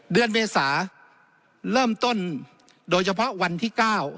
เดือนเมษาเริ่มต้นโดยเฉพาะวันที่๙